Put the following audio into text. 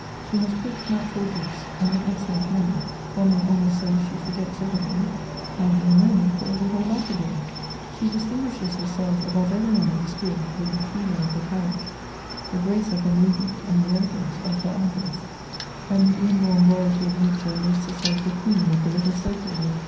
She has quick natural gifts, and an excellent memory; one may almost say that she forgets everything, and in a moment calls it .ill back again. She distinguishes herself above every one at the school with the freedom of her carriage, the grace of her movement, and the elegance of her address, and with the inborn royalty of nature makes herself the queen of the little circle there.